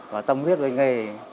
có tâm huyết với nghề